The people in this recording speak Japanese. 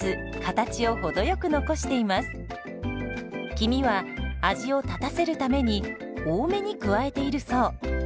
黄身は味を立たせるために多めに加えているそう。